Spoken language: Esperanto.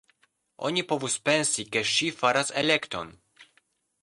Oni povus pensi, ke ŝi faras elekton.